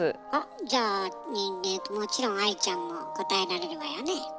じゃあもちろん愛ちゃんも答えられるわよね。